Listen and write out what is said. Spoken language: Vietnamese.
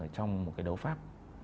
trong một cái đấu pháp